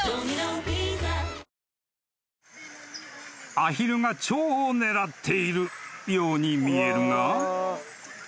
［アヒルがチョウを狙っているように見えるが］